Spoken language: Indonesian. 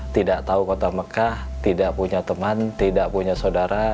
tidak tahu kota mekah tidak punya teman tidak punya saudara